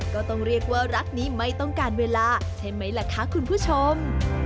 ก็ต้องเรียกว่ารักนี้ไม่ต้องการเวลาใช่ไหมล่ะคะคุณผู้ชม